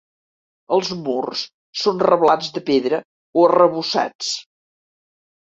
Els murs són reblats de pedra o arrebossats.